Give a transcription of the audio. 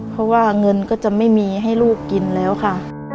เพราะว่าเงินก็จะไม่มีให้ลูกกินแล้วค่ะ